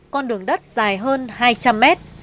con đường đất dài hơn hai trăm linh mét